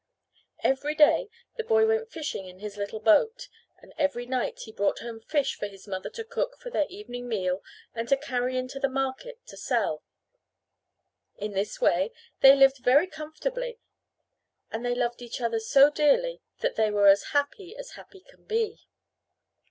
Every day the boy went fishing in his little boat, and every night he brought home fish for his mother to cook for their evening meal and to carry into the market to sell. In this way they lived very comfortably, and they loved each other so dearly that they were as happy as happy can be.